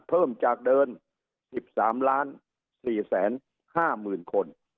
เพิ่มจากเดิน๑๓ล้าน๔๕๐๐๐๐คน